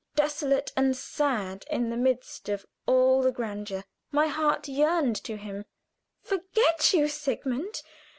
desolate and sad in the midst of all the grandeur! My heart yearned to him. "Forget you, Sigmund?